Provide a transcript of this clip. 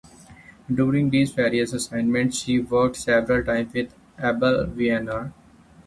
During these various assignments she worked several times with Abel Viana.